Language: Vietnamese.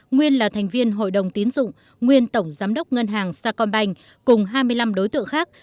nguyên là thành viên hội đồng tiến dụng nguyên tổng giám đốc ngân hàng sa công banh cùng hai mươi năm đối tượng khác